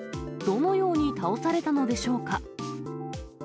どのように倒されたのでしょうか。